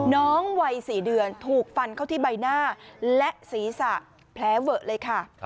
น้องวัย๔เดือนถูกฟันเข้าที่ใบหน้าและศีรษะแผลเวอะเลยค่ะ